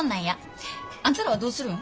あんたらはどうするん？